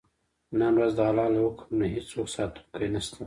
نن ورځ د الله له حکم نه هېڅوک ساتونکی نه شته.